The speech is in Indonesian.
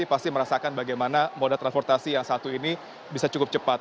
pasti merasakan bagaimana moda transportasi yang satu ini bisa cukup cepat